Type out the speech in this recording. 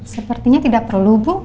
sepertinya tidak perlu bu